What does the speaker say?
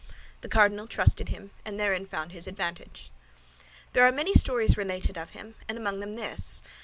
The cardinal trusted him, and therein found his advantage. There are many stories related of him, and among them this.